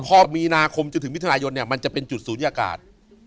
พอมีนาคมจนถึงมิถุนายนเนี่ยมันจะเป็นจุดศูนยากาศ